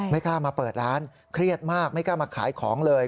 ไม่กล้ามาเปิดร้านเครียดมากไม่กล้ามาขายของเลย